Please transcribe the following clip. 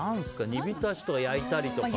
煮びたしとか、焼いたりとか。